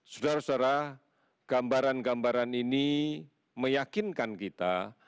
saudara saudara gambaran gambaran ini meyakinkan kita